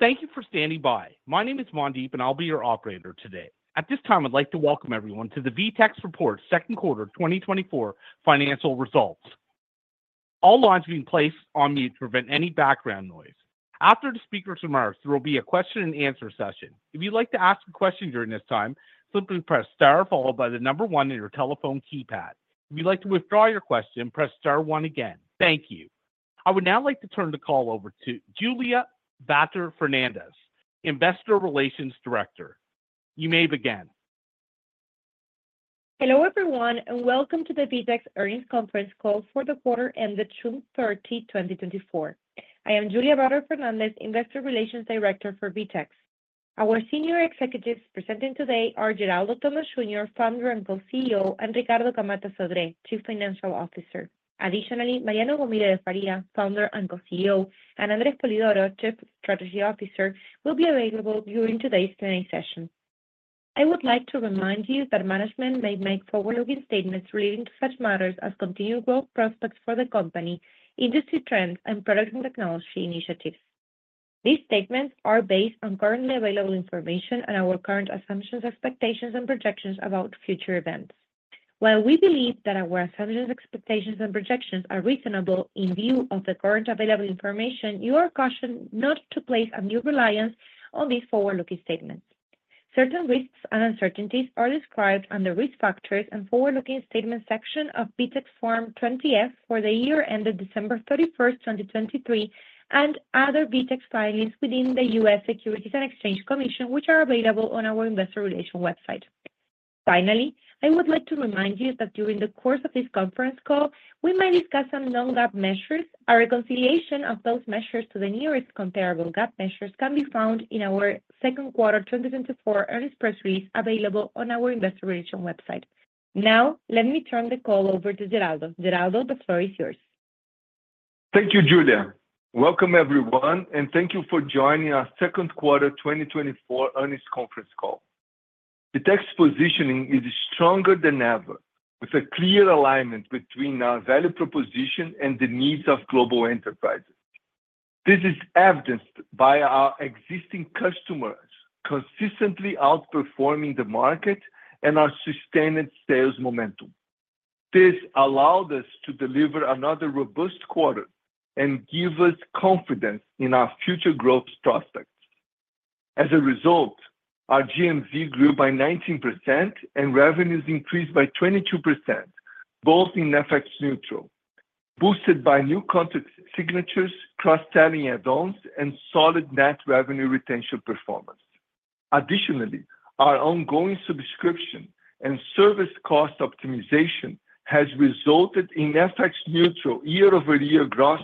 Thank you for standing by. My name is Mandeep, and I'll be your operator today. At this time, I'd like to welcome everyone to the VTEX Report, second quarter 2024 financial results. All lines have been placed on mute to prevent any background noise. After the speakers summarize, there will be a question and answer session. If you'd like to ask a question during this time, simply press star followed by the number one in your telephone keypad. If you'd like to withdraw your question, press star one again. Thank you. I would now like to turn the call over to Julia Vater Fernández, Investor Relations Director. You may begin. Hello, everyone, and welcome to the VTEX Earnings Conference Call for the quarter ended June 30, 2024. I am Julia Vater Fernández, Investor Relations Director for VTEX. Our senior executives presenting today are Geraldo Thomaz Jr., Founder and Co-CEO, and Ricardo Camatta Sodré, Chief Financial Officer. Additionally, Mariano Gomide de Faria, Founder and Co-CEO, and André Spolidoro, Chief Strategy Officer, will be available during today's Q&A session. I would like to remind you that management may make forward-looking statements relating to such matters as continued growth prospects for the company, industry trends, and product and technology initiatives. These statements are based on currently available information and our current assumptions, expectations, and projections about future events. While we believe that our assumptions, expectations, and projections are reasonable in view of the current available information, you are cautioned not to place undue reliance on these forward-looking statements. Certain risks and uncertainties are described under Risk Factors and Forward-Looking Statements section of VTEX Form 20-F for the year ended December 31, 2023, and other VTEX filings within the US Securities and Exchange Commission, which are available on our investor relations website. Finally, I would like to remind you that during the course of this conference call, we may discuss some non-GAAP measures. Our reconciliation of those measures to the nearest comparable GAAP measures can be found in our second quarter 2024 earnings press release, available on our investor relations website. Now, let me turn the call over to Geraldo. Geraldo, the floor is yours. Thank you, Julia. Welcome, everyone, and thank you for joining our second quarter 2024 earnings conference call. VTEX positioning is stronger than ever, with a clear alignment between our value proposition and the needs of global enterprises. This is evidenced by our existing customers consistently outperforming the market and our sustained sales momentum. This allowed us to deliver another robust quarter and give us confidence in our future growth prospects. As a result, our GMV grew by 19% and revenues increased by 22%, both in FX neutral, boosted by new contract signatures, cross-selling add-ons, and solid net revenue retention performance. Additionally, our ongoing subscription and service cost optimization has resulted in FX neutral year-over-year gross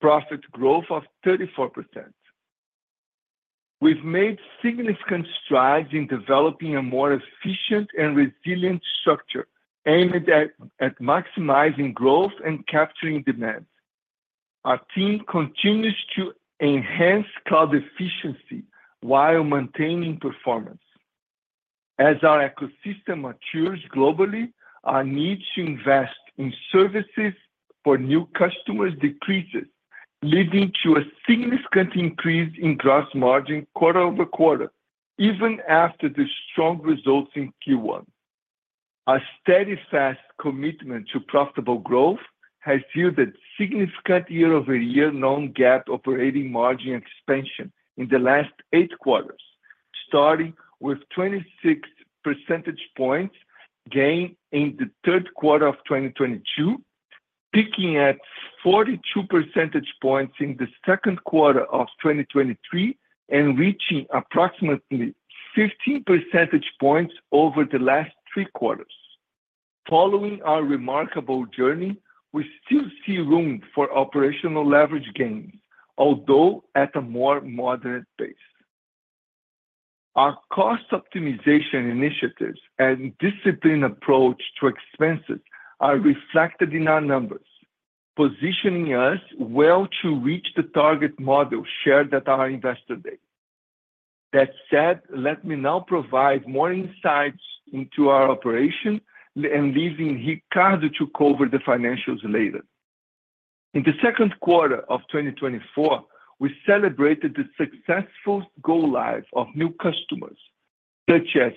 profit growth of 34%. We've made significant strides in developing a more efficient and resilient structure, aimed at maximizing growth and capturing demand. Our team continues to enhance cloud efficiency while maintaining performance. As our ecosystem matures globally, our need to invest in services for new customers decreases, leading to a significant increase in gross margin quarter over quarter, even after the strong results in Q1. Our steady, fast commitment to profitable growth has yielded significant year-over-year non-GAAP operating margin expansion in the last eight quarters, starting with 26 percentage points gain in the third quarter of 2022, peaking at 42 percentage points in the second quarter of 2023, and reaching approximately 15 percentage points over the last three quarters. Following our remarkable journey, we still see room for operational leverage gains, although at a more moderate pace. Our cost optimization initiatives and disciplined approach to expenses are reflected in our numbers, positioning us well to reach the target model shared at our Investor Day. That said, let me now provide more insights into our operation, and leaving Ricardo to cover the financials later. In the second quarter of 2024, we celebrated the successful go-live of new customers, such as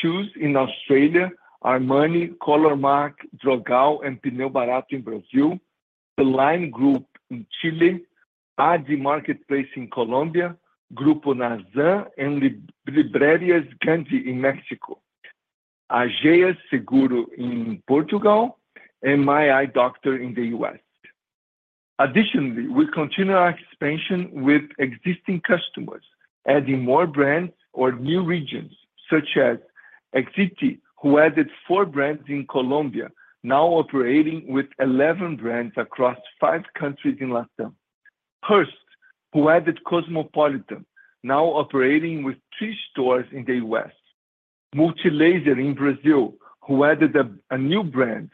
Chooze in Australia, Armani, Colormaq, Drogão, and Pneu Barato in Brazil, LiVE Group in Chile, Ag Marketplace in Colombia, Grupo Nazar, and Librerías Gandhi in Mexico, Ageas Seguros in Portugal, and MyEyeDr. in the U.S. Additionally, we continue our expansion with existing customers, adding more brands or new regions, such as Éxito, who added four brands in Colombia, now operating with 11 brands across five countries in LATAM. Hearst, who added Cosmopolitan, now operating with three stores in the U.S. Multilaser in Brazil, who added a new brand,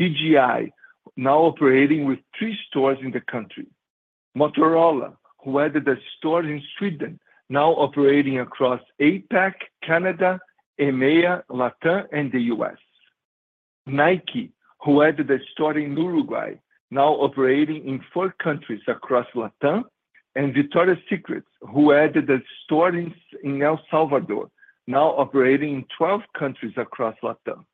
DJI, now operating with three stores in the country. Motorola, who added a store in Sweden, now operating across APAC, Canada, EMEA, LATAM, and the U.S. Nike, who added a store in Uruguay, now operating in four countries across LATAM, and Victoria's Secret, who added a store in El Salvador, now operating in 12 countries across LATAM.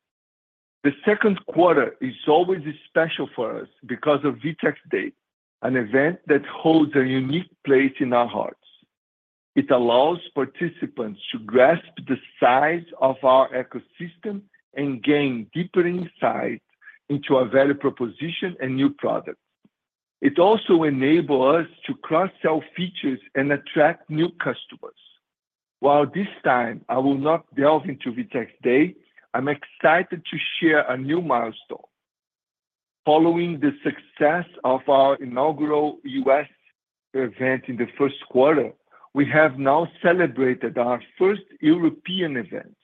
The second quarter is always special for us because of VTEX Day, an event that holds a unique place in our hearts. It allows participants to grasp the size of our ecosystem and gain deeper insight into our value proposition and new products. It also enable us to cross-sell features and attract new customers. While this time I will not delve into VTEX Day, I'm excited to share a new milestone. Following the success of our inaugural U.S. event in the first quarter, we have now celebrated our first European event.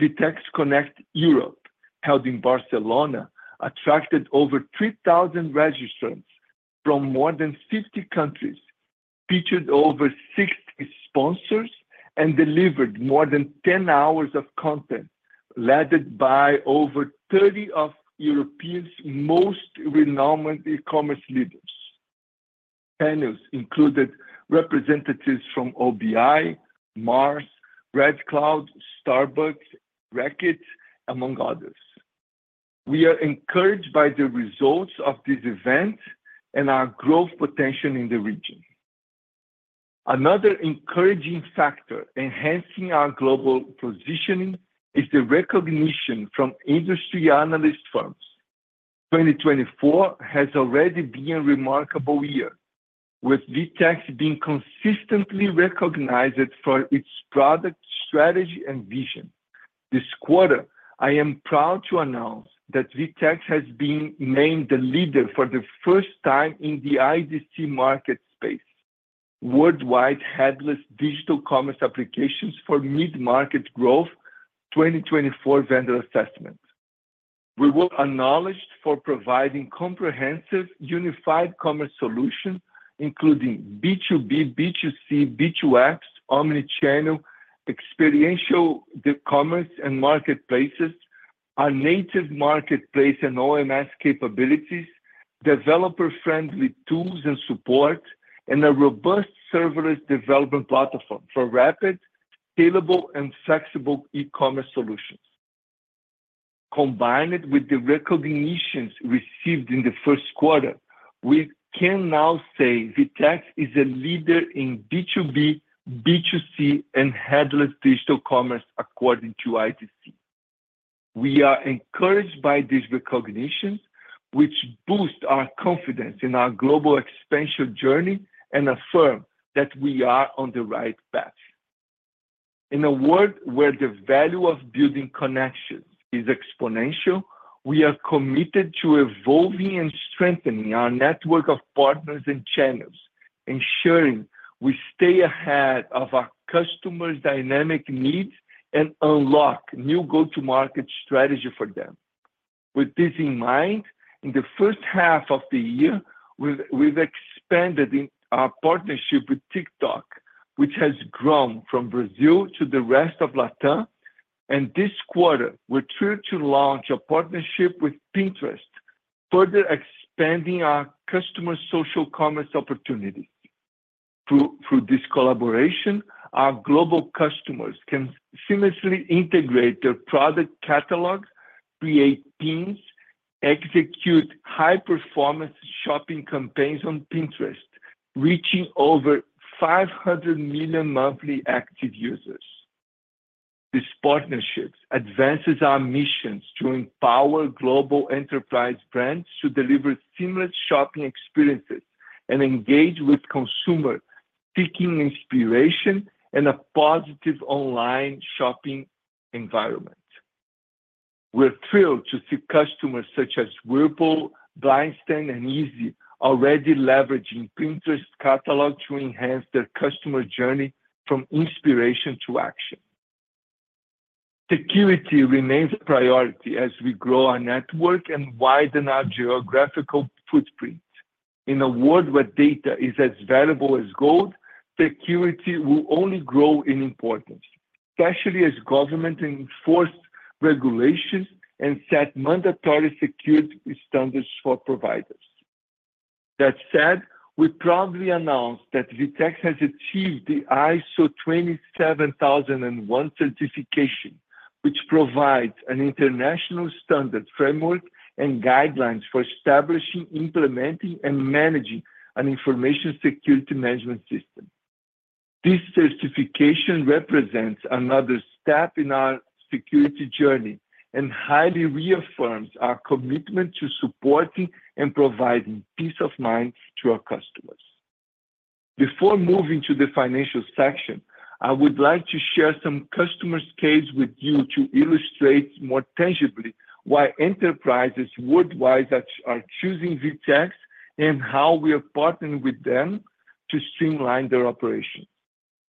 VTEX Connect Europe, held in Barcelona, attracted over 3,000 registrants from more than 50 countries, featured over 60 sponsors, and delivered more than 10 hours of content, led by over 30 of Europe's most renowned e-commerce leaders. Panels included representatives from OBI, Mars, Redcare Pharmacy, Starbucks, Reckitt, among others. We are encouraged by the results of this event and our growth potential in the region. Another encouraging factor enhancing our global positioning is the recognition from industry analyst firms. 2024 has already been a remarkable year, with VTEX being consistently recognized for its product, strategy, and vision. This quarter, I am proud to announce that VTEX has been named the leader for the first time in the IDC MarketScape Worldwide Headless Digital Commerce Applications for Midmarket Growth 2024 Vendor Assessment. We were acknowledged for providing comprehensive, unified commerce solution, including B2B, B2C, B2X, omnichannel, experiential commerce and marketplaces, our native marketplace and OMS capabilities, developer-friendly tools and support, and a robust serverless development platform for rapid, scalable, and flexible e-commerce solutions. Combined with the recognitions received in the first quarter, we can now say VTEX is a leader in B2B, B2C, and headless digital commerce, according to IDC. We are encouraged by this recognition, which boost our confidence in our global expansion journey and affirm that we are on the right path. In a world where the value of building connections is exponential, we are committed to evolving and strengthening our network of partners and channels, ensuring we stay ahead of our customers' dynamic needs and unlock new go-to-markets strategy for them. With this in mind, in the first half of the year, we've expanded in our partnership with TikTok, which has grown from Brazil to the rest of LATAM, and this quarter, we're thrilled to launch a partnership with Pinterest, further expanding our customer social commerce opportunity. Through this collaboration, our global customers can seamlessly integrate their product catalog, create pins, execute high-performance shopping campaigns on Pinterest, reaching over 500 million monthly active users. This partnership advances our missions to empower global enterprise brands to deliver seamless shopping experiences and engage with consumers seeking inspiration in a positive online shopping environment. We're thrilled to see customers such as Whirlpool, Blaisten, and Easy already leveraging Pinterest catalog to enhance their customer journey from inspiration to action. Security remains a priority as we grow our network and widen our geographical footprint. In a world where data is as valuable as gold, security will only grow in importance, especially as governments enforce regulations and set mandatory security standards for providers. That said, we proudly announce that VTEX has achieved the ISO 27001 certification, which provides an international standard framework and guidelines for establishing, implementing, and managing an information security management system. This certification represents another step in our security journey, and highly reaffirms our commitment to supporting and providing peace of mind to our customers. Before moving to the financial section, I would like to share some customer's case with you to illustrate more tangibly why enterprises worldwide are choosing VTEX and how we are partnering with them to streamline their operations.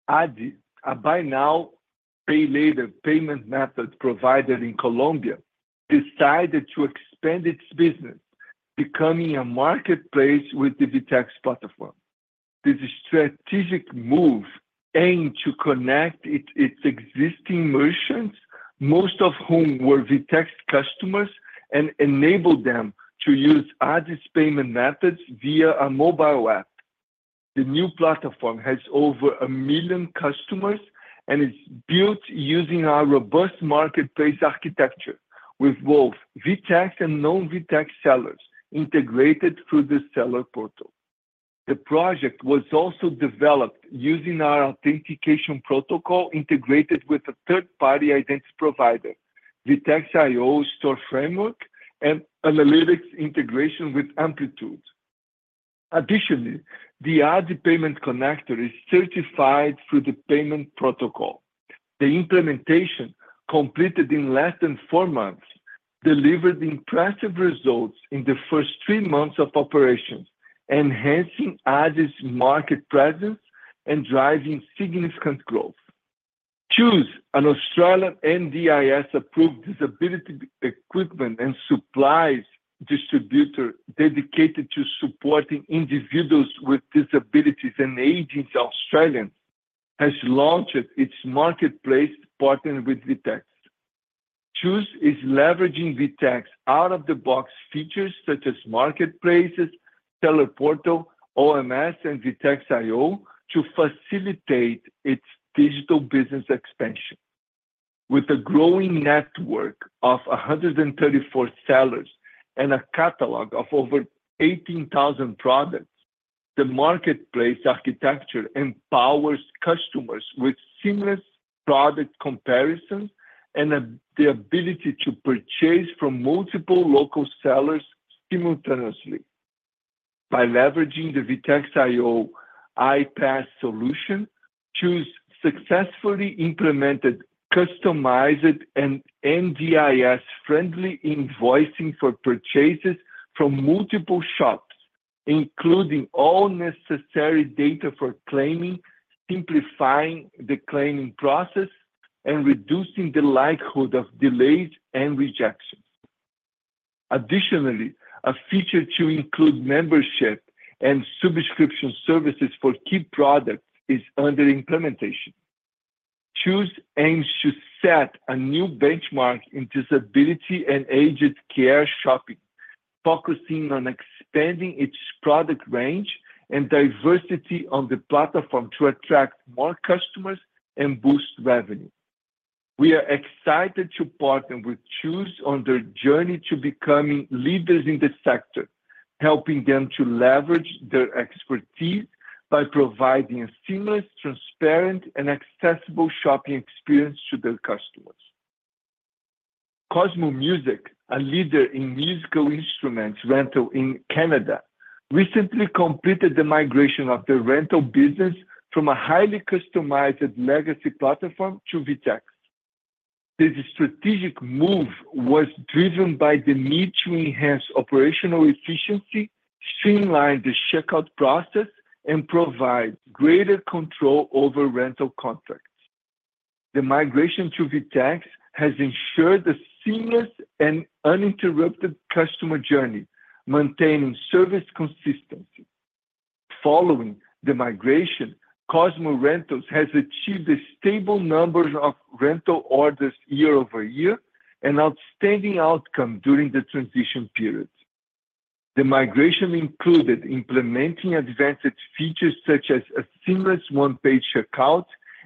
Addi, a buy now, pay later payment method provider in Colombia, decided to expand its business, becoming a marketplace with the VTEX platform. This strategic move aimed to connect its existing merchants, most of whom were VTEX customers, and enable them to use Addi's payment methods via a mobile app. The new platform has over 1 million customers, and it's built using our robust marketplace architecture, with both VTEX and non-VTEX sellers integrated through the Seller Portal. The project was also developed using our authentication protocol, integrated with a third-party identity provider, VTEX IO Store Framework, and analytics integration with Amplitude. Additionally, the Addi payment connector is certified through the Payment Protocol. The implementation, completed in less than four months, delivered impressive results in the first three months of operations, enhancing Addi's market presence and driving significant growth. Chooze, an Australian NDIS-approved disability equipment and supplies distributor dedicated to supporting individuals with disabilities and their agents in Australia, has launched its marketplace partnering with VTEX. Chooze is leveraging VTEX out-of-the-box features, such as marketplaces, Seller Portal, OMS, and VTEX IO to facilitate its digital business expansion. With a growing network of 134 sellers and a catalog of over 18,000 products, the marketplace architecture empowers customers with seamless product comparisons and the ability to purchase from multiple local sellers simultaneously. By leveraging the VTEX IO iPaaS solution, Chooze successfully implemented, customized, and NDIS-friendly invoicing for purchases from multiple shops, including all necessary data for claiming, simplifying the claiming process, and reducing the likelihood of delays and rejections. Additionally, a feature to include membership and subscription services for key products is under implementation. Chooze aims to set a new benchmark in disability and aged care shopping, focusing on expanding its product range and diversity on the platform to attract more customers and boost revenue. We are excited to partner with Chooze on their journey to becoming leaders in the sector, helping them to leverage their expertise by providing a seamless, transparent, and accessible shopping experience to their customers. Cosmo Music, a leader in musical instruments rental in Canada, recently completed the migration of their rental business from a highly customized legacy platform to VTEX. This strategic move was driven by the need to enhance operational efficiency, streamline the checkout process, and provide greater control over rental contracts. The migration to VTEX has ensured a seamless and uninterrupted customer journey, maintaining service consistency. Following the migration, Cosmo Rentals has achieved a stable number of rental orders year-over-year, an outstanding outcome during the transition period. The migration included implementing advanced features such as a seamless one-page checkout,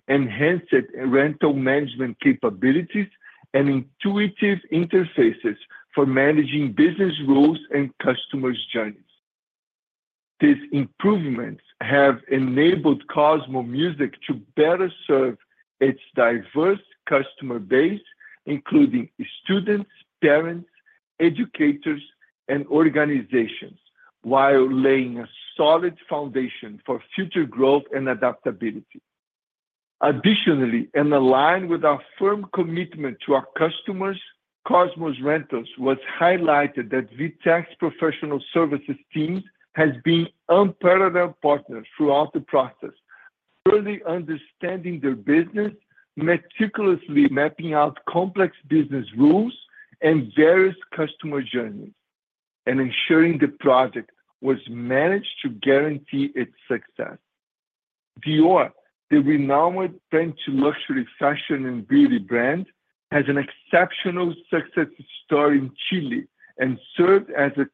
enhanced rental management capabilities, and intuitive interfaces for managing business rules and customers' journeys. These improvements have enabled Cosmo Music to better serve its diverse customer base, including students, parents, educators, and organizations, while laying a solid foundation for future growth and adaptability. Additionally, and aligned with our firm commitment to our customers, Cosmo Music was highlighted that VTEX professional services teams has been unparalleled partners throughout the process, thoroughly understanding their business, meticulously mapping out complex business rules and various customer journeys, and ensuring the project was managed to guarantee its success. Dior, the renowned French luxury fashion and beauty brand, has an exceptional success story in Chile and served as a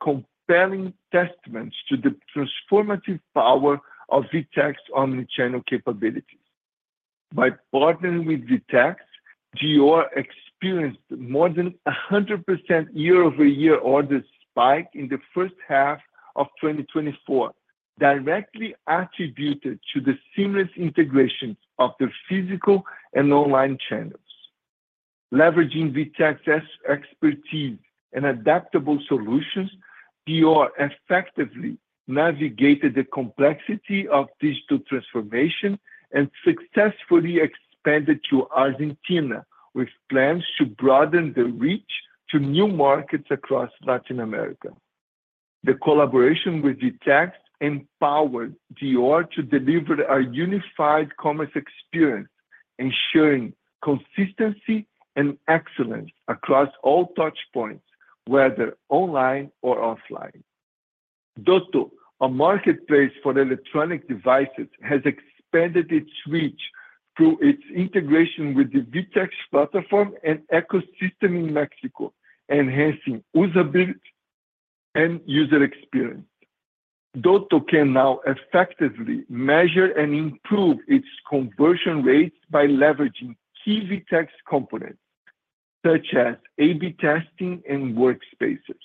compelling testament to the transformative power of VTEX omnichannel capabilities. By partnering with VTEX, Dior experienced more than 100% year-over-year order spike in the first half of 2024, directly attributed to the seamless integration of the physical and online channels. Leveraging VTEX's expertise and adaptable solutions, Dior effectively navigated the complexity of digital transformation and successfully expanded to Argentina, with plans to broaden the reach to new markets across Latin America. The collaboration with VTEX empowered Dior to deliver a unified commerce experience, ensuring consistency and excellence across all touch points, whether online or offline. Doto, a marketplace for electronic devices, has expanded its reach through its integration with the VTEX platform and ecosystem in Mexico, enhancing usability and user experience. Doto can now effectively measure and improve its conversion rates by leveraging key VTEX components, such as A/B testing and Workspaces.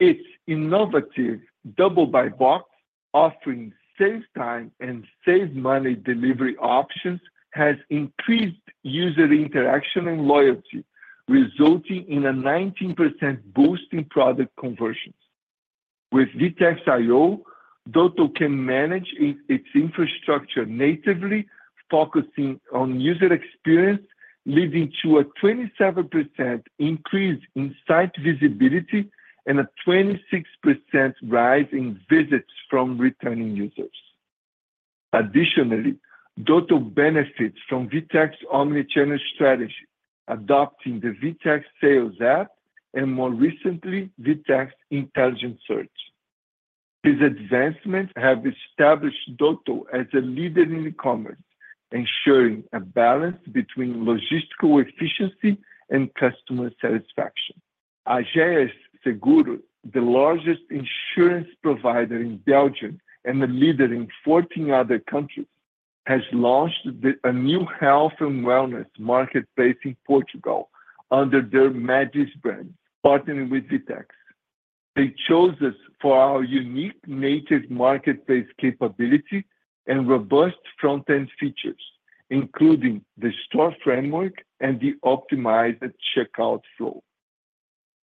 Its innovative double buy box, offering save time and save money delivery options, has increased user interaction and loyalty, resulting in a 19% boost in product conversions. With VTEX IO, Doto can manage its infrastructure natively, focusing on user experience, leading to a 27% increase in site visibility and a 26% rise in visits from returning users. Additionally, Doto benefits from VTEX omnichannel strategy, adopting the VTEX Sales App, and more recently, VTEX Intelligent Search. These advancements have established Doto as a leader in e-commerce, ensuring a balance between logistical efficiency and customer satisfaction. Ageas Seguros, the largest insurance provider in Belgium and a leader in 14 other countries, has launched a new health and wellness marketplace in Portugal under their Médis brand, partnering with VTEX. They chose us for our unique native marketplace capability and robust front-end features, including the Store Framework and the optimized checkout flow.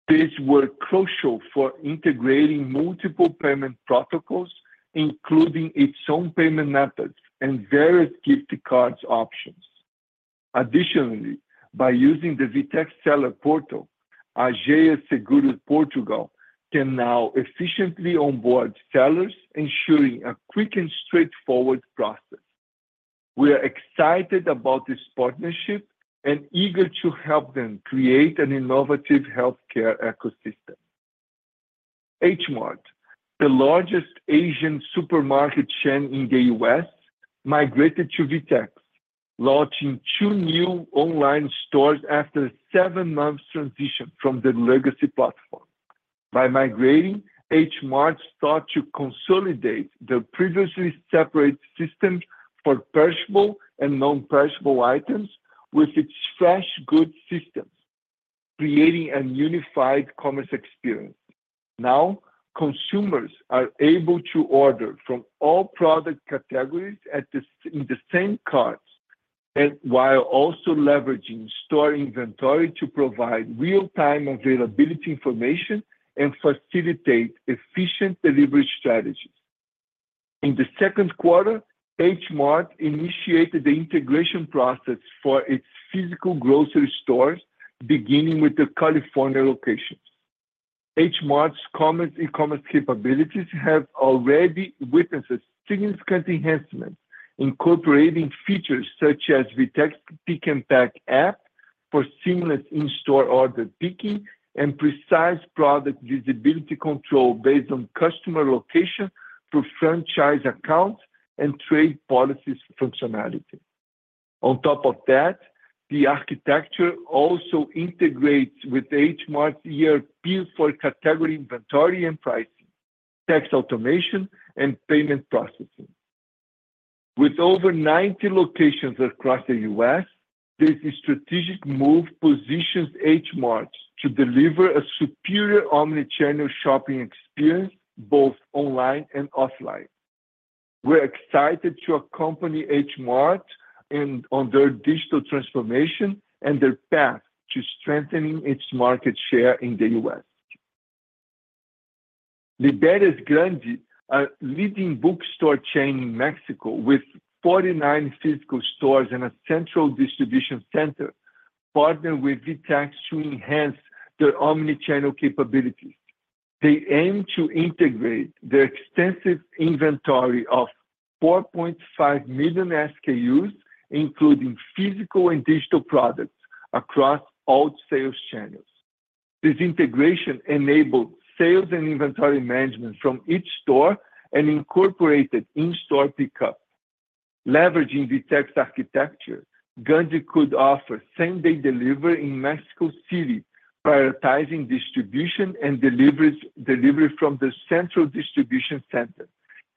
These were crucial for integrating multiple Payment Protocols, including its own payment methods and various gift cards options. Additionally, by using the VTEX Seller Portal, Ageas Seguros Portugal can now efficiently onboard sellers, ensuring a quick and straightforward process. We are excited about this partnership and eager to help them create an innovative healthcare ecosystem. H Mart, the largest Asian supermarket chain in the U.S., migrated to VTEX, launching two new online stores after a seven-month transition from the legacy platform. By migrating, H Mart sought to consolidate the previously separate systems for perishable and non-perishable items with its fresh goods systems, creating a unified commerce experience. Now, consumers are able to order from all product categories at the in the same cart, and while also leveraging store inventory to provide real-time availability information and facilitate efficient delivery strategies. In the second quarter, H Mart initiated the integration process for its physical grocery stores, beginning with the California locations. H Mart's commerce, e-commerce capabilities have already witnessed a significant enhancement, incorporating features such as VTEX Pick and Pack app for seamless in-store order picking and precise product visibility control based on customer location through franchise accounts and trade policies functionality. On top of that, the architecture also integrates with H Mart's ERP for category inventory and pricing, tax automation, and payment processing. With over 90 locations across the U.S., this strategic move positions H Mart to deliver a superior omnichannel shopping experience, both online and offline. We're excited to accompany H Mart in on their digital transformation and their path to strengthening its market share in the U.S. Librerías Gandhi, a leading bookstore chain in Mexico with 49 physical stores and a central distribution center, partnered with VTEX to enhance their omnichannel capabilities. They aim to integrate their extensive inventory of 4.5 million SKUs, including physical and digital products, across all sales channels. This integration enabled sales and inventory management from each store and incorporated in-store pickup. Leveraging VTEX architecture, Librerías Gandhi could offer same-day delivery in Mexico City, prioritizing distribution and delivery from the central distribution center,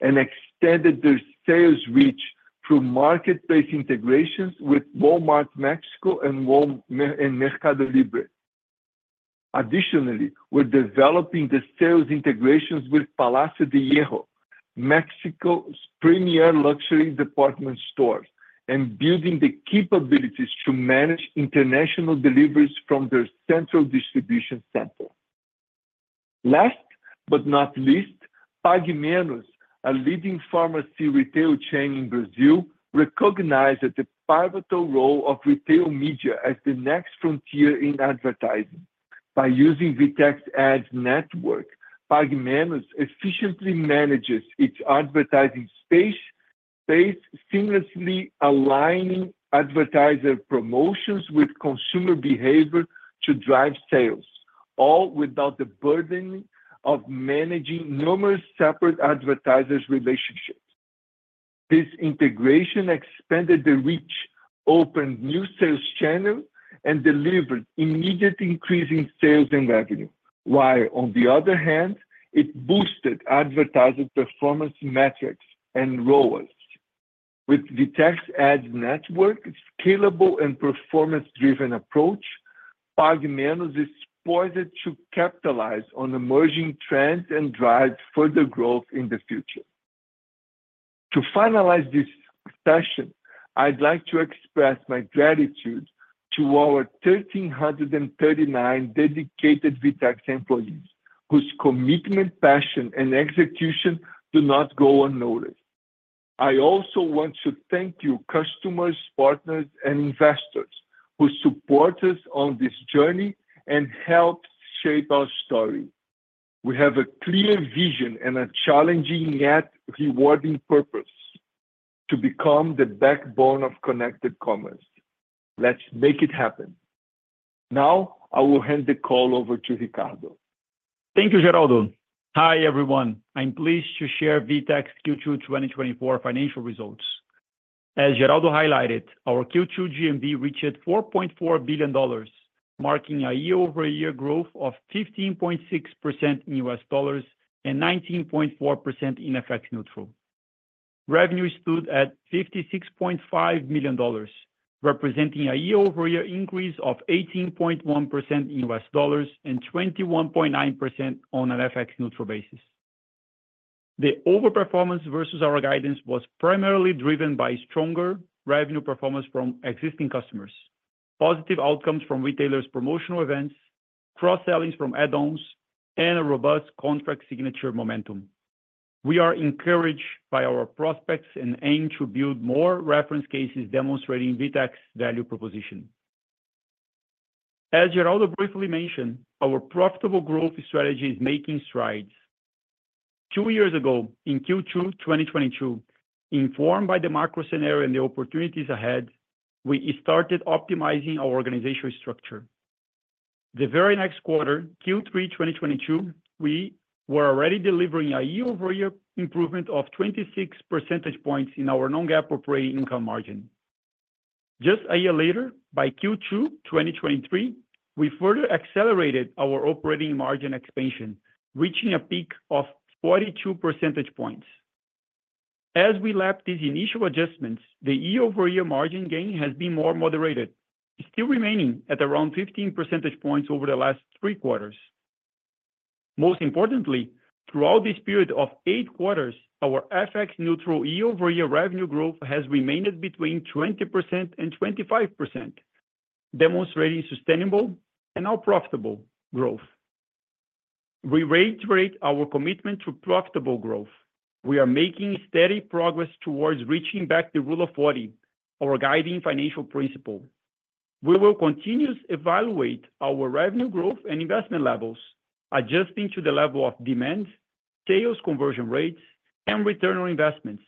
and extended their sales reach through marketplace integrations with Walmart México and Mercado Libre. Additionally, we're developing the sales integrations with El Palacio de Hierro, Mexico's premier luxury department store, and building the capabilities to manage international deliveries from their central distribution center. Last but not least, Pague Menos, a leading pharmacy retail chain in Brazil, recognized that the pivotal role of retail media as the next frontier in advertising.... By using VTEX Ad Network, Pague Menos efficiently manages its advertising space, seamlessly aligning advertiser promotions with consumer behavior to drive sales, all without the burden of managing numerous separate advertisers' relationships. This integration expanded the reach, opened new sales channel, and delivered immediate increase in sales and revenue, while on the other hand, it boosted advertiser performance metrics and ROAS. With VTEX Ad Network, scalable and performance-driven approach, Pague Menos is poised to capitalize on emerging trends and drive further growth in the future. To finalize this session, I'd like to express my gratitude to our 1,339 dedicated VTEX employees, whose commitment, passion, and execution do not go unnoticed. I also want to thank you, customers, partners, and investors, who support us on this journey and helped shape our story. We have a clear vision and a challenging, yet rewarding purpose: to become the backbone of connected commerce. Let's make it happen. Now, I will hand the call over to Ricardo. Thank you, Geraldo. Hi, everyone. I'm pleased to share VTEX Q2 2024 financial results. As Geraldo highlighted, our Q2 GMV reached $4.4 billion, marking a year-over-year growth of 15.6% in U.S. dollars, and 19.4% in FX neutral. Revenue stood at $56.5 million, representing a year-over-year increase of 18.1% in U.S. dollars, and 21.9% on an FX neutral basis. The overperformance versus our guidance was primarily driven by stronger revenue performance from existing customers, positive outcomes from retailers' promotional events, cross-sellings from add-ons, and a robust contract signature momentum. We are encouraged by our prospects and aim to build more reference cases demonstrating VTEX value proposition. As Geraldo briefly mentioned, our profitable growth strategy is making strides. Two years ago, in Q2 2022, informed by the macro scenario and the opportunities ahead, we started optimizing our organizational structure. The very next quarter, Q3 2022, we were already delivering a year-over-year improvement of 26 percentage points in our non-GAAP operating income margin. Just a year later, by Q2 2023, we further accelerated our operating margin expansion, reaching a peak of 42 percentage points. As we lap these initial adjustments, the year-over-year margin gain has been more moderated, still remaining at around 15 percentage points over the last three quarters. Most importantly, throughout this period of eight quarters, our FX neutral year-over-year revenue growth has remained between 20% and 25%, demonstrating sustainable and now profitable growth. We reiterate our commitment to profitable growth. We are making steady progress towards reaching back the Rule of 40, our guiding financial principle. We will continuously evaluate our revenue growth and investment levels, adjusting to the level of demand, sales conversion rates, and return on investments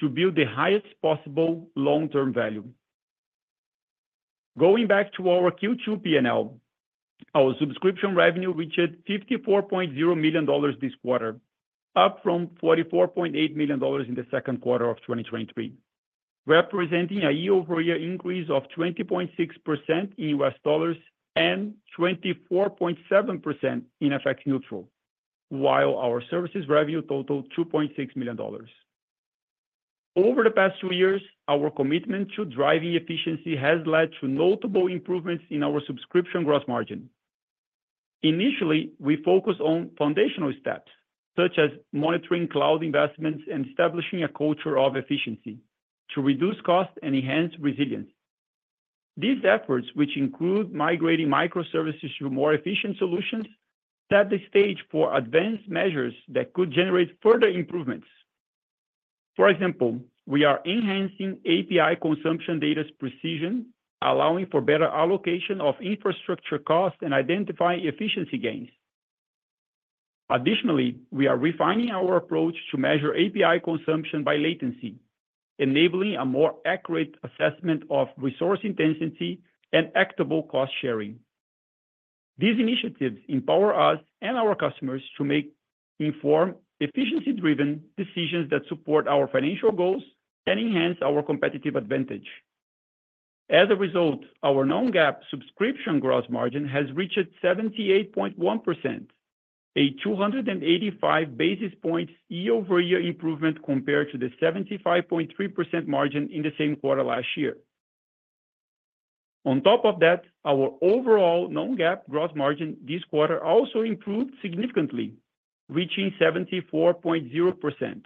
to build the highest possible long-term value. Going back to our Q2 P&L, our subscription revenue reached $54.0 million this quarter, up from $44.8 million in the second quarter of 2023, representing a year-over-year increase of 20.6% in US dollars and 24.7% in FX neutral, while our services revenue totaled $2.6 million. Over the past two years, our commitment to driving efficiency has led to notable improvements in our subscription gross margin. Initially, we focused on foundational steps, such as monitoring cloud investments and establishing a culture of efficiency to reduce cost and enhance resilience. These efforts, which include migrating microservices to more efficient solutions, set the stage for advanced measures that could generate further improvements. For example, we are enhancing API consumption data's precision, allowing for better allocation of infrastructure costs and identifying efficiency gains. Additionally, we are refining our approach to measure API consumption by latency, enabling a more accurate assessment of resource intensity and equitable cost sharing. These initiatives empower us and our customers to make informed, efficiency-driven decisions that support our financial goals and enhance our competitive advantage. As a result, our non-GAAP subscription gross margin has reached 78.1%, a 285 basis points year-over-year improvement compared to the 75.3% margin in the same quarter last year. On top of that, our overall non-GAAP gross margin this quarter also improved significantly, reaching 74.0%,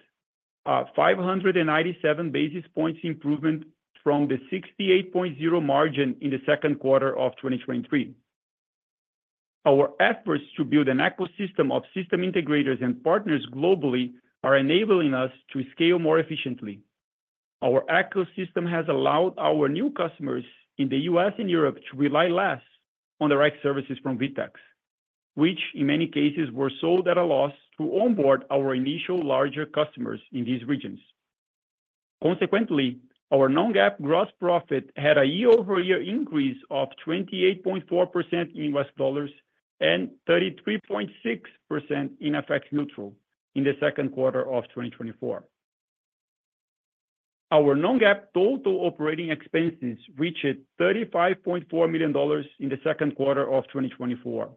a 597 basis points improvement from the 68.0% margin in the second quarter of 2023. Our efforts to build an ecosystem of system integrators and partners globally are enabling us to scale more efficiently. Our ecosystem has allowed our new customers in the U.S. and Europe to rely less on direct services from VTEX, which in many cases, were sold at a loss to onboard our initial larger customers in these regions. Consequently, our non-GAAP gross profit had a year-over-year increase of 28.4% in US dollars, and 33.6% in FX neutral in the second quarter of 2024. Our non-GAAP total operating expenses reached $35.4 million in the second quarter of 2024,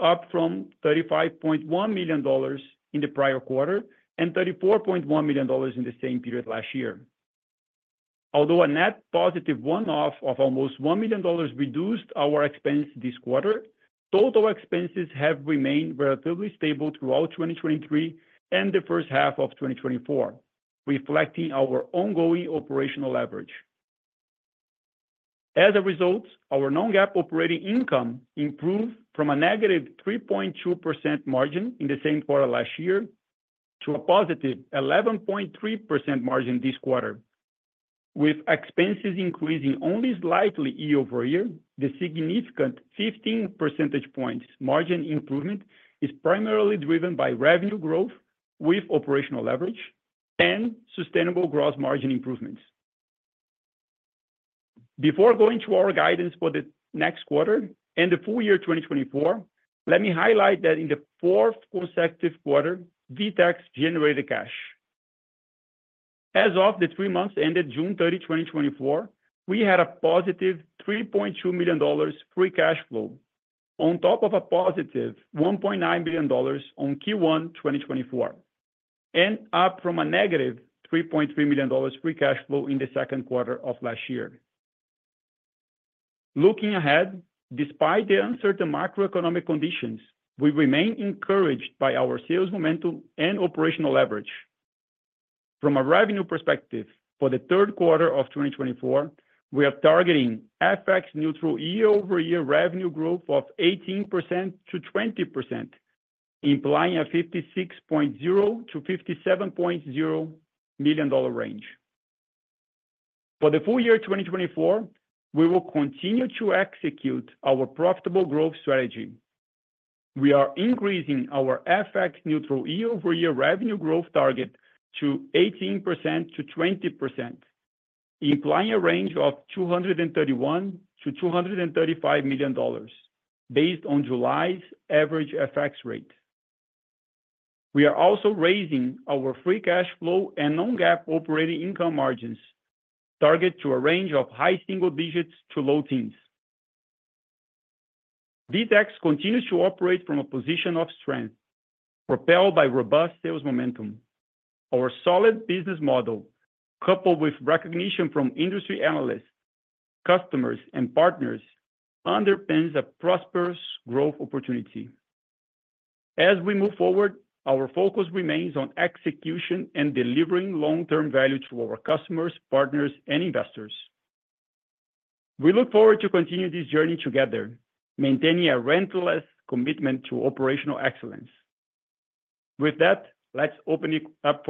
up from $35.1 million in the prior quarter, and $34.1 million in the same period last year. Although a net positive one-off of almost $1 million reduced our expense this quarter, total expenses have remained relatively stable throughout 2023 and the first half of 2024, reflecting our ongoing operational leverage. As a result, our non-GAAP operating income improved from a negative 3.2% margin in the same quarter last year to a positive 11.3% margin this quarter. With expenses increasing only slightly year-over-year, the significant fifteen percentage points margin improvement is primarily driven by revenue growth with operational leverage and sustainable gross margin improvements. Before going to our guidance for the next quarter and the full year 2024, let me highlight that in the fourth consecutive quarter, VTEX generated cash. As of the three months ended June 30, 2024, we had a positive $3.2 million free cash flow on top of a positive $1.9 billion on Q1 2024, and up from a negative $3.3 million free cash flow in the second quarter of last year. Looking ahead, despite the uncertain macroeconomic conditions, we remain encouraged by our sales momentum and operational leverage. From a revenue perspective, for the third quarter of 2024, we are targeting FX neutral year-over-year revenue growth of 18%-20%, implying a $56.0 million-$57.0 million range. For the full year 2024, we will continue to execute our profitable growth strategy. We are increasing our FX neutral year-over-year revenue growth target to 18%-20%, implying a range of $231 million-$235 million, based on July's average FX rate. We are also raising our free cash flow and non-GAAP operating income margins target to a range of high single digits to low teens. VTEX continues to operate from a position of strength, propelled by robust sales momentum. Our solid business model, coupled with recognition from industry analysts, customers, and partners, underpins a prosperous growth opportunity. As we move forward, our focus remains on execution and delivering long-term value to our customers, partners, and investors. We look forward to continuing this journey together, maintaining a relentless commitment to operational excellence. With that, let's open it up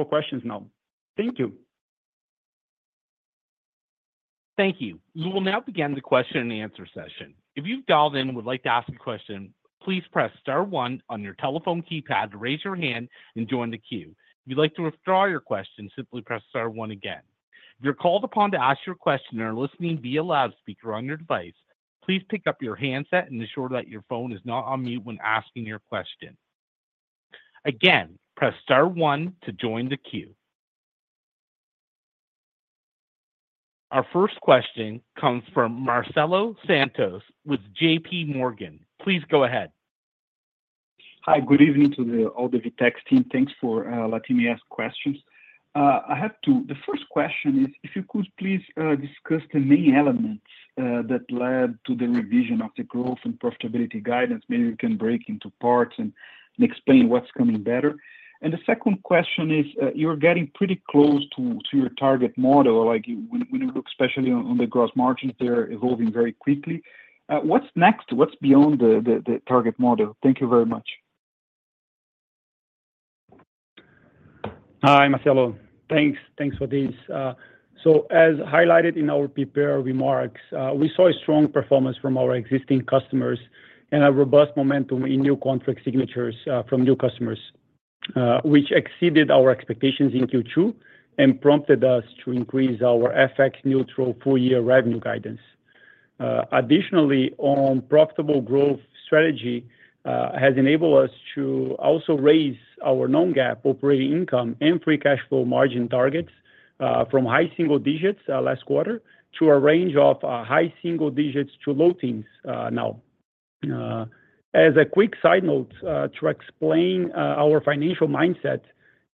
for questions now. Thank you. Thank you. We will now begin the question and answer session. If you've dialed in and would like to ask a question, please press star one on your telephone keypad to raise your hand and join the queue. If you'd like to withdraw your question, simply press star one again. If you're called upon to ask your question and are listening via loudspeaker on your device, please pick up your handset and ensure that your phone is not on mute when asking your question. Again, press star one to join the queue. Our first question comes from Marcelo Santos with J.P. Morgan. Please go ahead. Hi. Good evening to all the VTEX team. Thanks for letting me ask questions. I have two. The first question is, if you could please discuss the main elements that led to the revision of the growth and profitability guidance. Maybe you can break into parts and explain what's coming better. The second question is, you're getting pretty close to your target model, like when you look especially on the gross margins, they're evolving very quickly. What's next? What's beyond the target model? Thank you very much. Hi, Marcelo. Thanks, thanks for this. So as highlighted in our prepared remarks, we saw a strong performance from our existing customers and a robust momentum in new contract signatures from new customers, which exceeded our expectations in Q2, and prompted us to increase our FX neutral full year revenue guidance. Additionally, on profitable growth strategy, has enabled us to also raise our non-GAAP operating income and free cash flow margin targets from high single digits last quarter, to a range of high single digits to low teens now. As a quick side note to explain our financial mindset,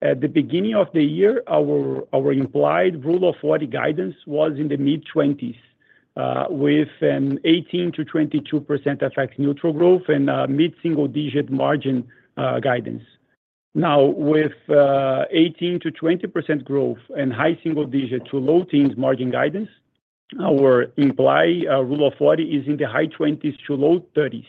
at the beginning of the year, our implied Rule of 40 guidance was in the mid-20s with an 18%-22% FX neutral growth and mid-single-digit margin guidance. Now, with 18%-20% growth and high single digit to low teens margin guidance, our implied Rule of 40 is in the high 20s to low 30s.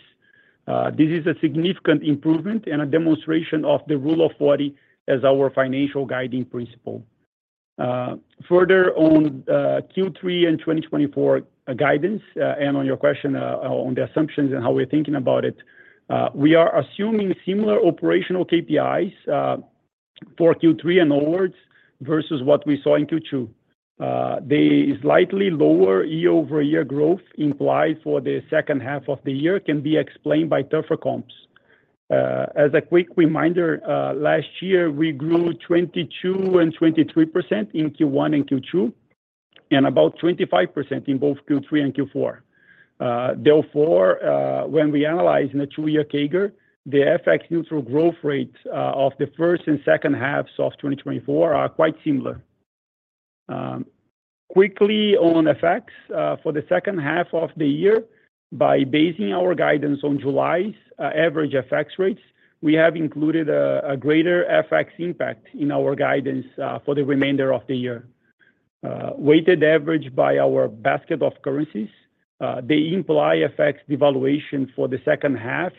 This is a significant improvement and a demonstration of the Rule of 40 as our financial guiding principle. Further on Q3 and 2024 guidance, and on your question on the assumptions and how we're thinking about it. We are assuming similar operational KPIs for Q3 and onwards versus what we saw in Q2. The slightly lower year-over-year growth implied for the second half of the year can be explained by tougher comps. As a quick reminder, last year, we grew 22% and 23% in Q1 and Q2, and about 25% in both Q3 and Q4. Therefore, when we analyze in a two-year CAGR, the FX neutral growth rate of the first and second halves of 2024 are quite similar. Quickly on FX, for the second half of the year, by basing our guidance on July's average FX rates, we have included a greater FX impact in our guidance for the remainder of the year. Weighted average by our basket of currencies, they imply FX devaluation for the second half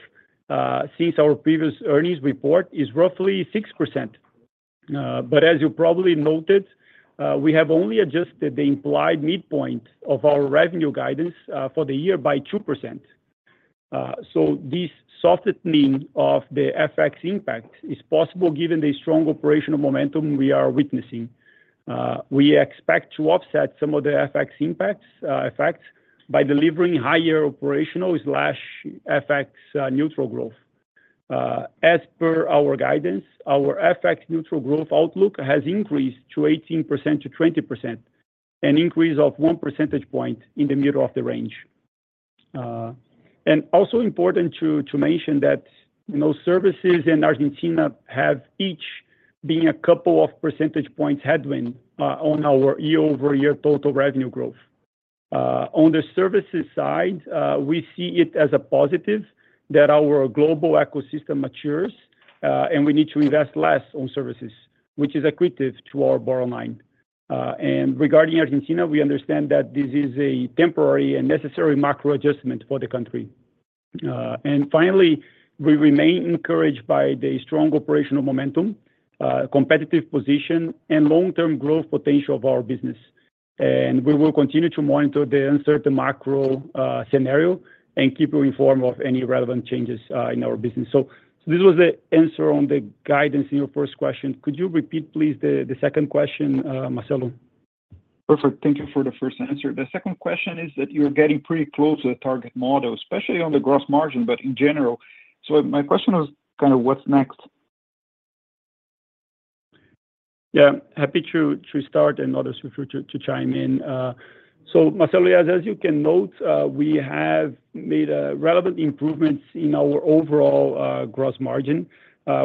since our previous earnings report is roughly 6%. But as you probably noted, we have only adjusted the implied midpoint of our revenue guidance for the year by 2%. So this softening of the FX impact is possible given the strong operational momentum we are witnessing. We expect to offset some of the FX impacts, effects, by delivering higher operational/FX neutral growth. As per our guidance, our FX neutral growth outlook has increased to 18%-20%, an increase of one percentage point in the middle of the range. Also important to mention that, you know, services in Argentina have each been a couple of percentage points headwind on our year-over-year total revenue growth. On the services side, we see it as a positive that our global ecosystem matures, and we need to invest less on services, which is accretive to our bottom line. Regarding Argentina, we understand that this is a temporary and necessary macro adjustment for the country. Finally, we remain encouraged by the strong operational momentum, competitive position, and long-term growth potential of our business. We will continue to monitor the uncertain macro scenario, and keep you informed of any relevant changes in our business. So, this was the answer on the guidance in your first question. Could you repeat, please, the second question, Marcelo? Perfect. Thank you for the first answer. The second question is that you're getting pretty close to the target model, especially on the gross margin, but in general. So my question was kind of what's next? Yeah, happy to start and others to chime in. So Marcelo, as you can note, we have made relevant improvements in our overall gross margin,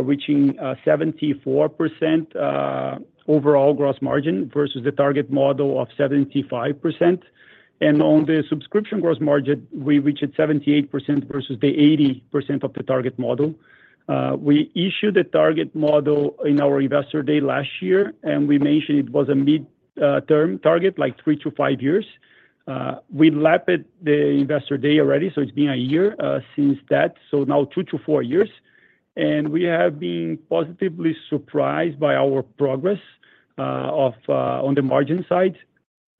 reaching 74% overall gross margin, versus the target model of 75%. And on the subscription gross margin, we reached 78% versus the 80% of the target model. We issued a target model in our Investor Day last year, and we mentioned it was a mid term target, like three-five years. We lapped the Investor Day already, so it's been a year since that, so now two-four years. And we have been positively surprised by our progress on the margin side,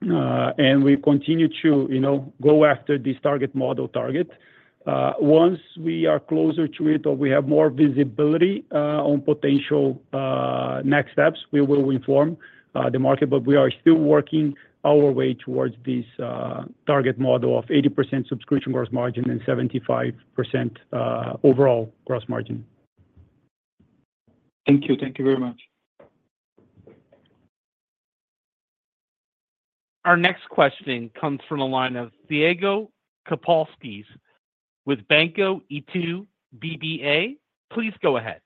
and we continue to, you know, go after this target model target. Once we are closer to it or we have more visibility on potential next steps, we will inform the market. But we are still working our way towards this target model of 80% subscription gross margin and 75% overall gross margin. Thank you. Thank you very much. Our next question comes from the line of Thiago Kapulskis with Banco Itaú BBA. Please go ahead.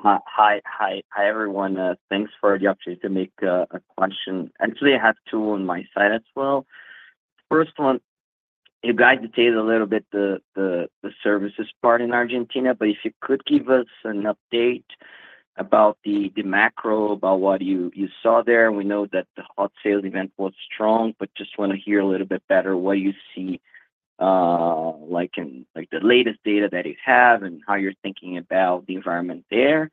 Hi, hi. Hi, everyone, thanks for the opportunity to make a question. Actually, I have two on my side as well. First one, you guys detailed a little bit the services part in Argentina, but if you could give us an update about the macro, about what you saw there. We know that the Hot Sale event was strong, but just want to hear a little bit better what you see, like in the latest data that you have, and how you're thinking about the environment there.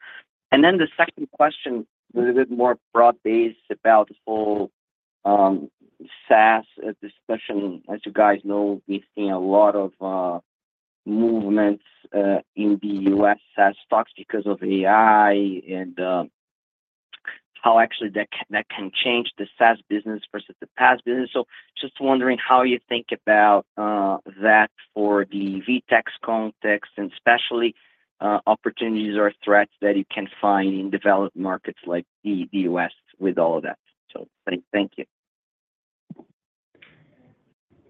And then the second question, a little bit more broad-based about the whole SaaS, especially as you guys know, we've seen a lot of movements in the U.S. SaaS stocks because of AI and how actually that can change the SaaS business versus the past business. Just wondering how you think about that for the VTEX context, and especially opportunities or threats that you can find in developed markets like the U.S. with all of that. So thank you.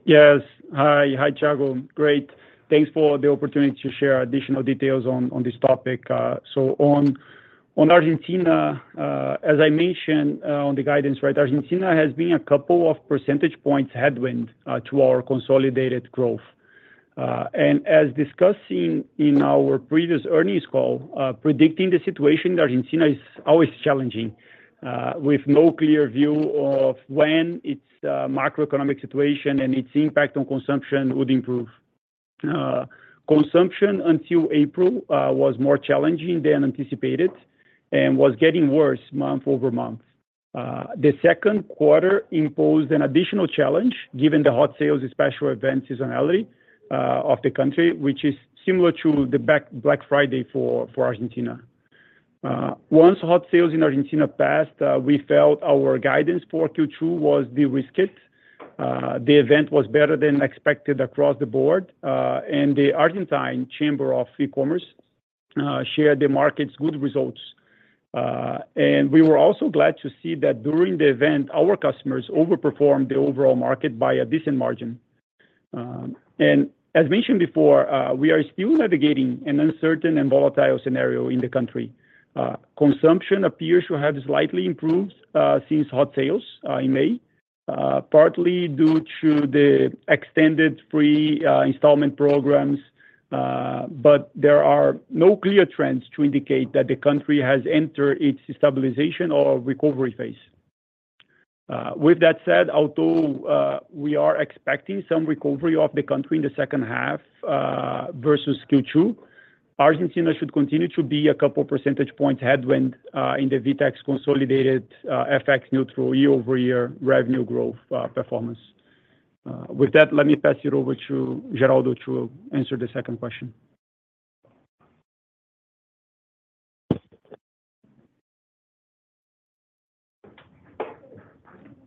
Yes. Hi, hi, Thiago. Great, thanks for the opportunity to share additional details on this topic. So, on Argentina, as I mentioned, on the guidance, right, Argentina has been a couple of percentage points headwind to our consolidated growth. And as discussed in our previous earnings call, predicting the situation in Argentina is always challenging, with no clear view of when its macroeconomic situation and its impact on consumption would improve. Consumption until April was more challenging than anticipated and was getting worse month-over-month. The second quarter imposed an additional challenge, given the Hot Sale special event seasonality of the country, which is similar to the Black Friday for Argentina. Once Hot Sale in Argentina passed, we felt our guidance for Q2 was de-risked. The event was better than expected across the board, and the Argentine Chamber of Electronic Commerce shared the market's good results. We were also glad to see that during the event, our customers overperformed the overall market by a decent margin. As mentioned before, we are still navigating an uncertain and volatile scenario in the country. Consumption appears to have slightly improved since Hot Sale in May, partly due to the extended free installment programs, but there are no clear trends to indicate that the country has entered its stabilization or recovery phase. With that said, although we are expecting some recovery of the country in the second half versus Q2, Argentina should continue to be a couple percentage points headwind in the VTEX consolidated FX neutral year-over-year revenue growth performance. With that, let me pass it over to Geraldo to answer the second question.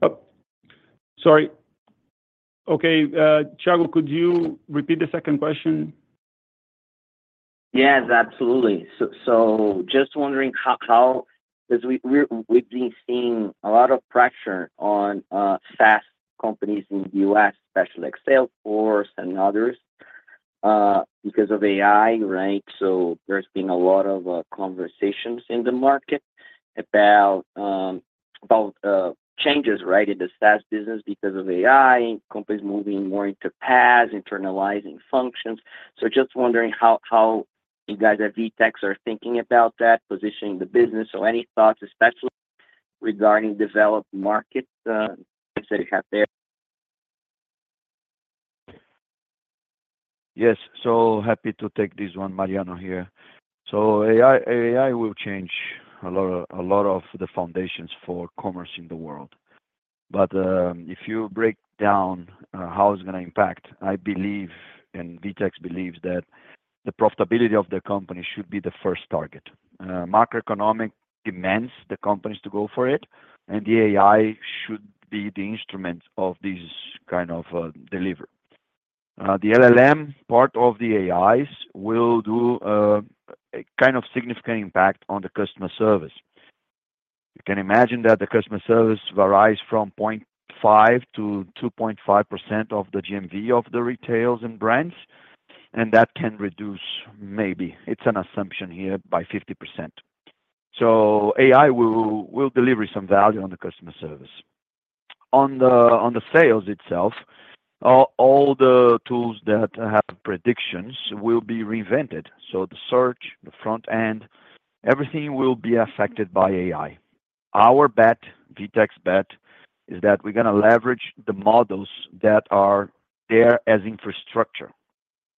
Oh, sorry. Okay, Thiago, could you repeat the second question? Yes, absolutely. So just wondering how... Because we've been seeing a lot of pressure on SaaS companies in the U.S., especially like Salesforce and others, because of AI, right? So there's been a lot of conversations in the market about changes, right, in the SaaS business because of AI, and companies moving more into PaaS, internalizing functions. So just wondering how you guys at VTEX are thinking about that, positioning the business, or any thoughts, especially regarding developed markets that you have there? Yes, so happy to take this one, Mariano here. So AI, AI will change a lot, a lot of the foundations for commerce in the world. But, if you break down how it's gonna impact, I believe, and VTEX believes, that the profitability of the company should be the first target. Macroeconomic demands the companies to go for it, and the AI should be the instrument of this kind of delivery. The LLM part of the AIs will do a kind of significant impact on the customer service. You can imagine that the customer service varies from 0.5% to 2.5% of the GMV of the retailers and brands, and that can reduce, maybe, it's an assumption here, by 50%. So AI will, will deliver some value on the customer service. On the sales itself, all the tools that have predictions will be reinvented. So the search, the front end, everything will be affected by AI. Our bet, VTEX bet, is that we're gonna leverage the models that are there as infrastructure.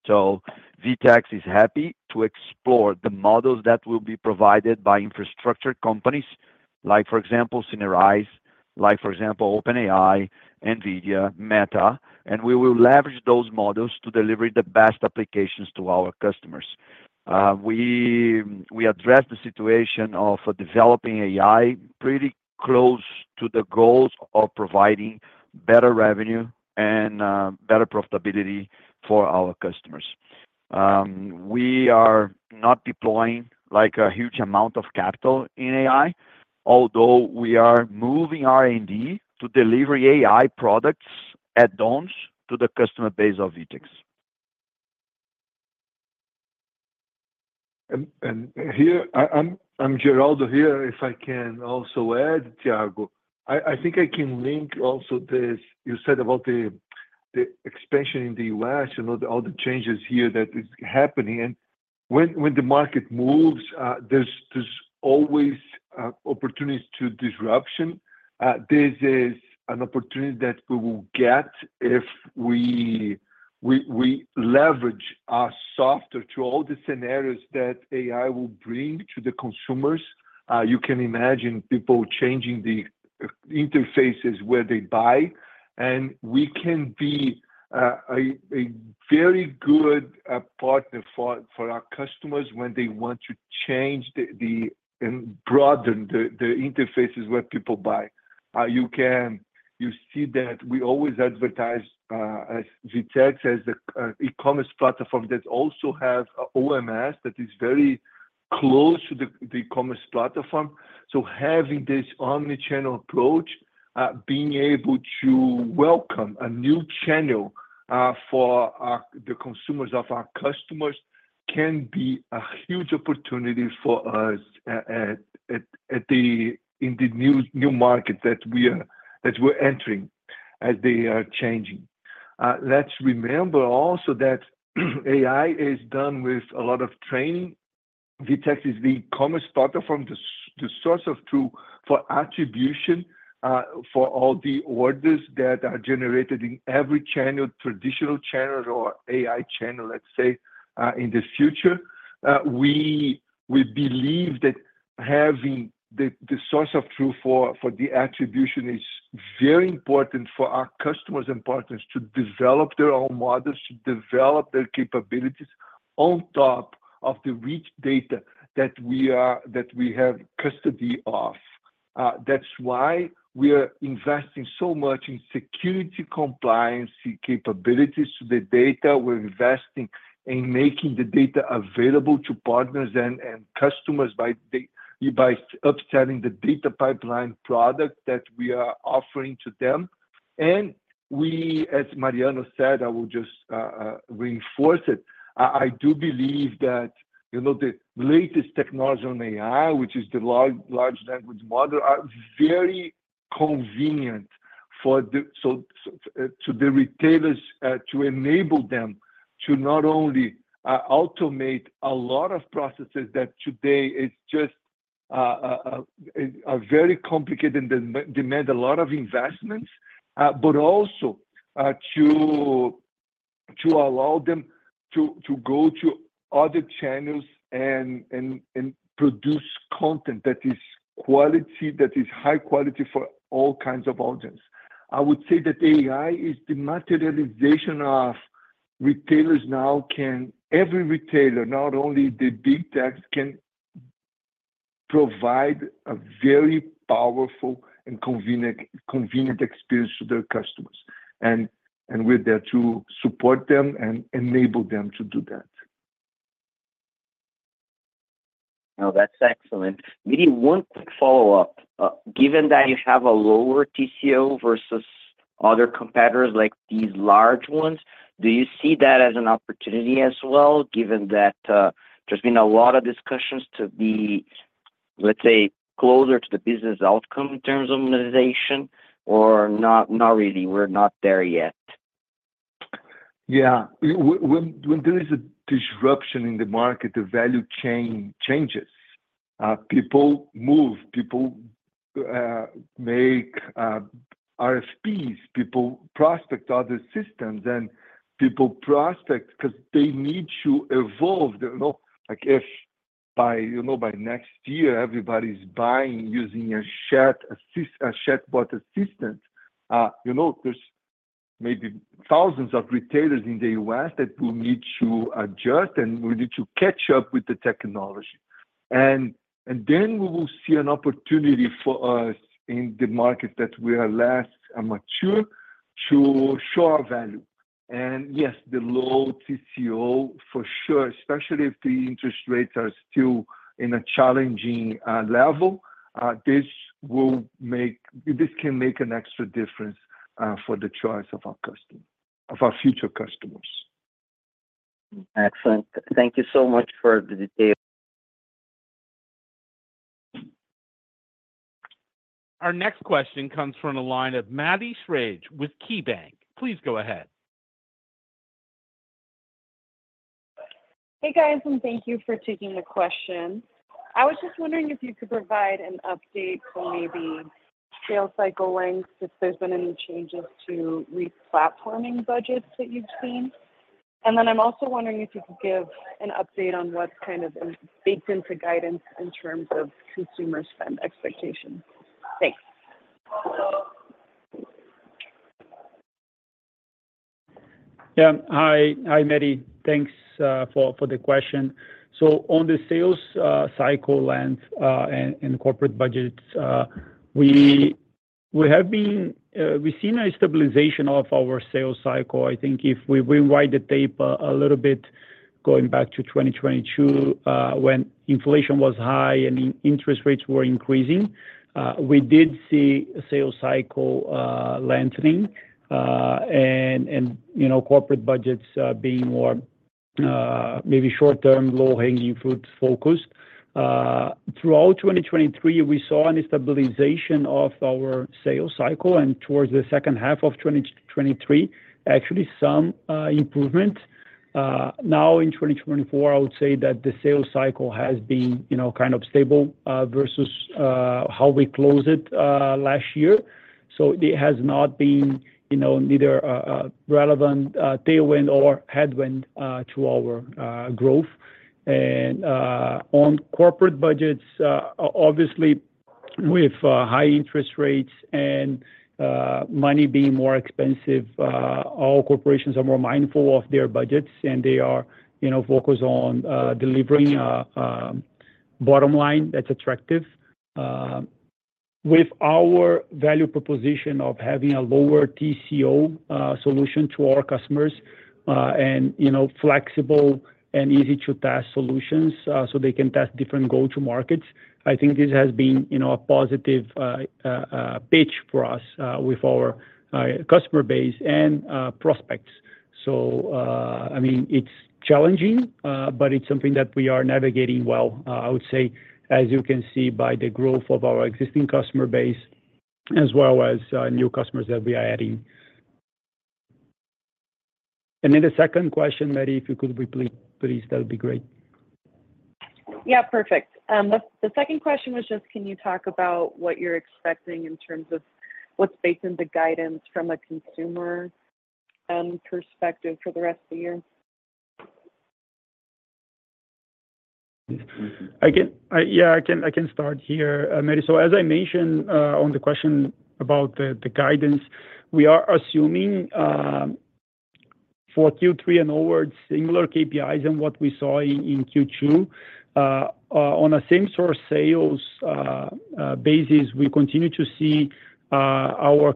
So VTEX is happy to explore the models that will be provided by infrastructure companies, like, for example, Synerise, like, for example, OpenAI, NVIDIA, Meta, and we will leverage those models to deliver the best applications to our customers. We address the situation of developing AI pretty close to the goals of providing better revenue and better profitability for our customers. We are not deploying, like, a huge amount of capital in AI, although we are moving R&D to deliver AI products, add-ons, to the customer base of VTEX. And here, I'm Geraldo here. If I can also add, Thiago, I think I can link also this, you said about the expansion in the U.S. and all the changes here that is happening. And when the market moves, there's always opportunities to disruption. This is an opportunity that we will get if we leverage our software to all the scenarios that AI will bring to the consumers. You can imagine people changing the interfaces where they buy, and we can be a very good partner for our customers when they want to change the and broaden the interfaces where people buy. You see that we always advertise as VTEX, as the e-commerce platform that also have a OMS that is very close to the e-commerce platform. So having this omni-channel approach, being able to welcome a new channel for the consumers of our customers, can be a huge opportunity for us in the new market that we're entering as they are changing. Let's remember also that AI is done with a lot of training. VTEX is the commerce platform, the source of truth for attribution for all the orders that are generated in every channel, traditional channel or AI channel, let's say, in the future. We believe that having the source of truth for the attribution is very important for our customers and partners to develop their own models, to develop their capabilities on top of the rich data that we have custody of. That's why we are investing so much in security compliance capabilities to the data. We're investing in making the data available to partners and customers by upselling the Data Pipeline product that we are offering to them. And we, as Mariano said, I will just reinforce it. I do believe that, you know, the latest technology on AI, which is the large language model, are very convenient for the retailers to enable them to not only automate a lot of processes that today are very complicated and demand a lot of investments, but also to allow them to go to other channels and produce content that is quality—that is high quality for all kinds of audience. I would say that AI is the materialization of retailers now can—every retailer, not only the big tech, can provide a very powerful and convenient experience to their customers, and we're there to support them and enable them to do that. No, that's excellent. Maybe one quick follow-up. Given that you have a lower TCO versus other competitors like these large ones, do you see that as an opportunity as well, given that there's been a lot of discussions to be, let's say, closer to the business outcome in terms of monetization? Or not, not really, we're not there yet? Yeah. When there is a disruption in the market, the value chain changes. People move, people make RFPs, people prospect other systems, and people prospect because they need to evolve. You know, like if by, you know, by next year everybody's buying using a chatbot assistant, you know, there's maybe thousands of retailers in the U.S. that will need to adjust and will need to catch up with the technology. And then we will see an opportunity for us in the market that we are less mature, to show our value. And yes, the low TCO for sure, especially if the interest rates are still in a challenging level, this can make an extra difference for the choice of our customer of our future customers. Excellent. Thank you so much for the detail. Our next question comes from the line of Maddie Schrage with KeyBanc Capital Markets. Please go ahead. Hey, guys, and thank you for taking the question. I was just wondering if you could provide an update for maybe sales cycle lengths, if there's been any changes to re-platforming budgets that you've seen? And then I'm also wondering if you could give an update on what's kind of baked into guidance in terms of consumer spend expectations? Thanks. Yeah. Hi. Hi, Maddie. Thanks for the question. So on the sales cycle length and corporate budgets, we've seen a stabilization of our sales cycle. I think if we rewind the tape a little bit, going back to 2022, when inflation was high and interest rates were increasing, we did see a sales cycle lengthening, and, you know, corporate budgets being more maybe short-term, low-hanging fruit focused. Throughout 2023, we saw a stabilization of our sales cycle, and towards the second half of 2023, actually some improvement. Now, in 2024, I would say that the sales cycle has been, you know, kind of stable versus how we closed it last year. So it has not been, you know, neither a relevant tailwind or headwind to our growth. And on corporate budgets, obviously, with high interest rates and money being more expensive, all corporations are more mindful of their budgets, and they are, you know, focused on delivering bottom line that's attractive. With our value proposition of having a lower TCO solution to our customers, and, you know, flexible and easy to test solutions, so they can test different go-to-markets, I think this has been, you know, a positive pitch for us with our customer base and prospects. So, I mean, it's challenging, but it's something that we are navigating well. I would say, as you can see by the growth of our existing customer base, as well as new customers that we are adding. And then the second question, Maddie, if you could repeat, please, that would be great. Yeah, perfect. The second question was just can you talk about what you're expecting in terms of what's based in the guidance from a consumer perspective for the rest of the year? I can start here, Maddie. So as I mentioned, on the question about the guidance, we are assuming, for Q3 and onwards, similar KPIs than what we saw in Q2. On a same-store sales basis, we continue to see our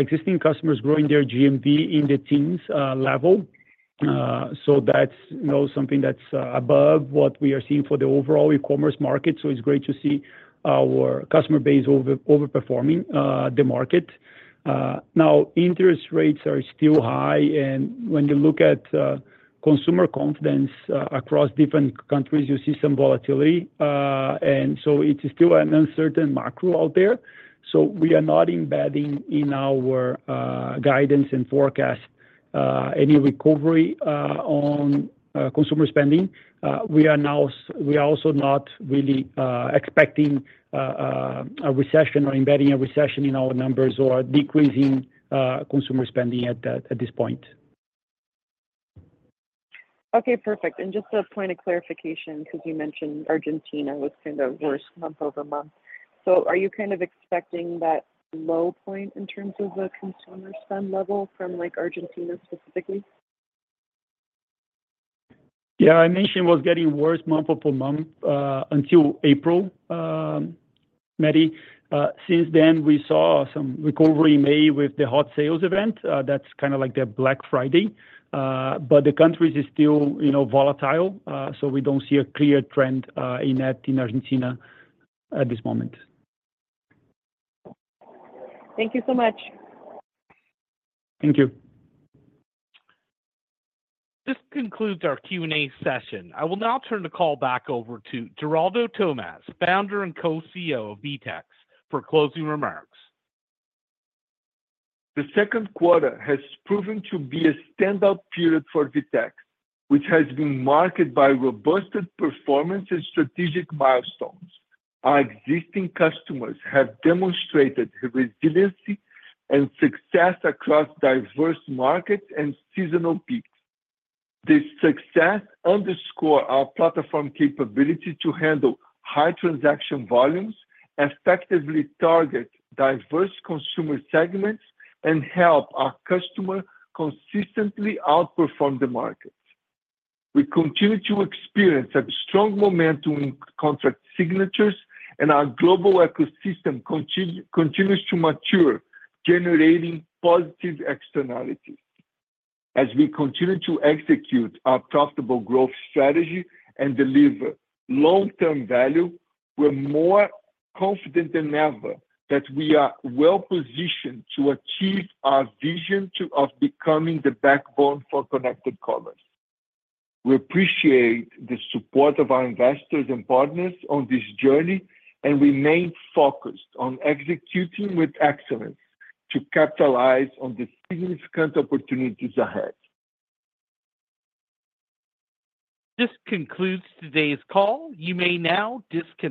existing customers growing their GMV in the teens level. So that's, you know, something that's above what we are seeing for the overall e-commerce market, so it's great to see our customer base overperforming the market. Now interest rates are still high, and when you look at consumer confidence across different countries, you see some volatility. And so it is still an uncertain macro out there, so we are not embedding in our guidance and forecast any recovery on consumer spending. We are also not really expecting a recession or embedding a recession in our numbers or decreasing consumer spending at this point. Okay, perfect. Just a point of clarification, 'cause you mentioned Argentina was kind of worse month-over-month. Are you kind of expecting that low point in terms of the consumer spend level from, like, Argentina specifically? Yeah, I mentioned was getting worse month-over-month until April, May. Since then, we saw some recovery in May with the Hot Sale's event. That's kind of like the Black Friday. But the country is still, you know, volatile. So we don't see a clear trend in that, in Argentina at this moment. Thank you so much. Thank you. This concludes our Q&A session. I will now turn the call back over to Geraldo Thomaz, founder and Co-CEO of VTEX, for closing remarks. The second quarter has proven to be a standout period for VTEX, which has been marked by robust performance and strategic milestones. Our existing customers have demonstrated resiliency and success across diverse markets and seasonal peaks. This success underscores our platform capability to handle high transaction volumes, effectively target diverse consumer segments, and help our customers consistently outperform the market. We continue to experience a strong momentum in contract signatures, and our global ecosystem continues to mature, generating positive externalities. As we continue to execute our profitable growth strategy and deliver long-term value, we're more confident than ever that we are well-positioned to achieve our vision of becoming the backbone for connected commerce. We appreciate the support of our investors and partners on this journey, and remain focused on executing with excellence to capitalize on the significant opportunities ahead. This concludes today's call. You may now disconnect.